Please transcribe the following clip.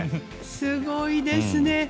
すごいですね！